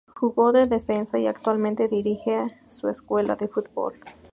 Jugó de defensa y actualmente dirige a su Escuela de Fútbol.